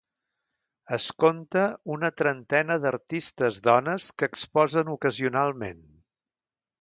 Es compta una trentena d'artistes dones que exposen ocasionalment.